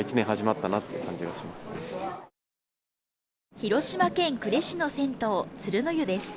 広島県呉市の銭湯鶴乃湯です。